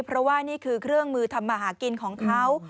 เพราะว่านี่คือเครื่องมือทำมาหากินของเขา